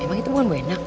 emang itu bukan bu hendang